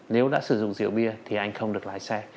nếu đã sử dụng rượu bia thì anh không được lái xe